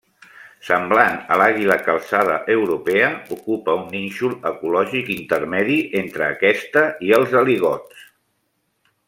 Semblant a l'àguila calçada europea, ocupa un nínxol ecològic intermedi entre aquesta i els aligots.